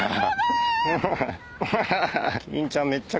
殿！ハハハ。